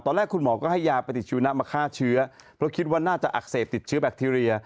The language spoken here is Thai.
ตอนแรกคุณหมอก็ให้ยาปฏิชีวนะมาฆ่าเชื้อเพราะคิดว่าน่าจะอักเสบติดเชื้อแบคทีเรีย